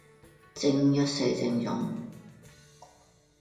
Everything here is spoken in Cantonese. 正一死剩種